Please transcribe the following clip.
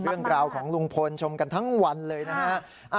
เรื่องราวของลุงพลชมกันทั้งวันเลยนะฮะ